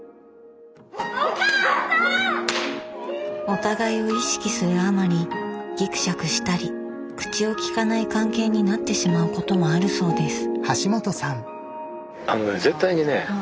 お互いを意識するあまりギクシャクしたり口をきかない関係になってしまうこともあるそうです。